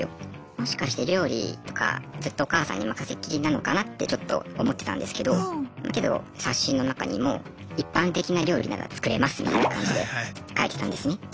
もしかして料理とかずっとお母さんに任せっきりなのかなってちょっと思ってたんですけどけど冊子の中にも一般的な料理なら作れますみたいな感じで書いてたんですね。